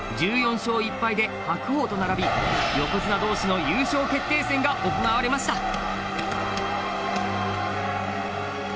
１４勝１敗で白鵬と並び横綱同士の優勝決定戦が行われました。